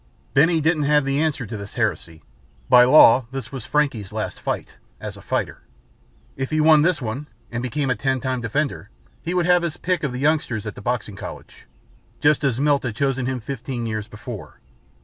Benny didn't have the answer to this heresy. By law this was Frankie's last fight as a fighter. If he won this one and became a Ten Time Defender he would have his pick of the youngsters at the Boxing College, just as Milt had chosen him fifteen years before.